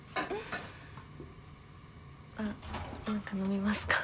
あっ何か飲みますか？